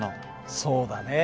そうだね。